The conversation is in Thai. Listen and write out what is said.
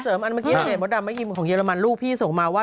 เสริมอันเมื่อกี้ได้เห็นว่าอันเมื่อกี้ของเยอรมันลูกพี่ส่งมาว่า